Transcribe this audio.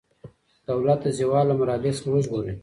دولت د زوال له مرحلې څخه وژغورئ.